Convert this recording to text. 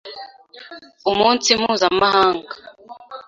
umunsi mpuzamahanga